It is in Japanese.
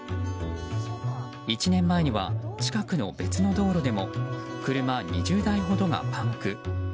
１年前には近くの別の道路でも車２０台ほどがパンク。